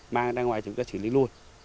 mang ra ngoài chúng ta xử lý luôn